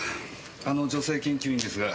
あの女性研究員ですが。